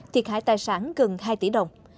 thiệt hại tài sản gần hai tỷ đồng